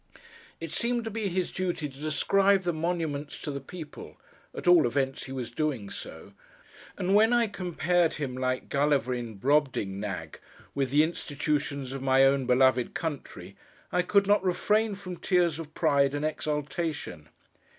It seemed to be his duty to describe the monuments to the people—at all events he was doing so; and when I compared him, like Gulliver in Brobdingnag, 'with the Institutions of my own beloved country, I could not refrain from tears of pride and exultation.